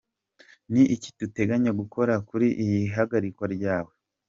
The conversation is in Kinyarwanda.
Ni iki uteganya gukora kuri iri hagarikwa ryawe?.